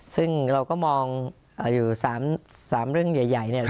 ซึ่งเราก็มองอยู่๓เรื่องใหญ่